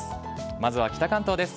まずは北関東です。